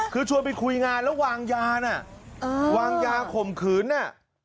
คือชวนไปคุยงานแล้ววางยาน่ะวางยาข่มขืนน่ะ